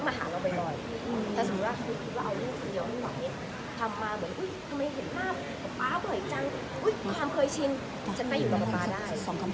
ก็แพทย์พยายามแพทย์จะแบบว่าเด็กฐอ